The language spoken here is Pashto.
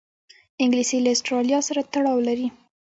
انګلیسي له آسټرالیا سره تړاو لري